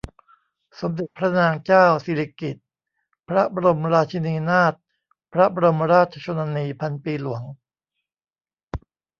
สมเด็จพระนางเจ้าสิริกิติ์ พระบรมราชินีนาถ พระบรมราชชนนีพันปีหลวง